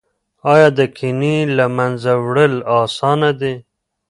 ایا د کینې له منځه وړل اسانه دي؟